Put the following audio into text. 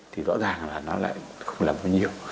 thì rõ ràng là nó lại không làm bao nhiêu